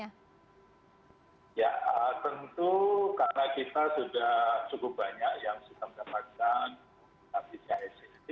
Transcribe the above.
ya tentu karena kita sudah cukup banyak yang sudah mendapatkan pcc